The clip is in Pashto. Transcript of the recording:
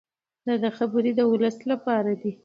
د ده خبرې د ولس لپاره دي.